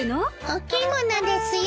お着物ですよ。